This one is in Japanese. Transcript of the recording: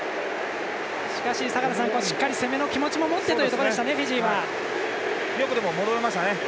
しかし、しっかり攻めの気持ちも持ってというところでしたよく戻りましたね。